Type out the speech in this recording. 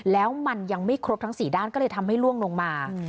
แล้วมันยังไม่ครบทั้ง๔ด้านก็เลยทำให้ล่วงลงมา